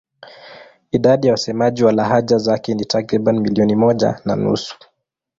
Idadi ya wasemaji wa lahaja zake ni takriban milioni moja na nusu.